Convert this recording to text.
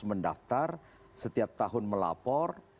mendaftar setiap tahun melapor